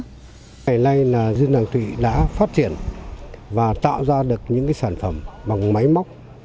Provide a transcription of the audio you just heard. tại nay là dương đằng thụy đã phát triển và tạo ra được những cái sản phẩm bằng máy móc